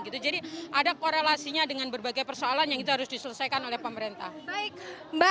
gitu jadi ada korelasinya dengan berbagai persoalan yang harus diselesaikan oleh pemerintah baik mbak